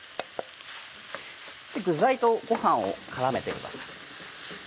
具材とご飯を絡めてください。